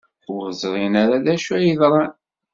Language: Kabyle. Ur ẓrin ara d acu ay yeḍran.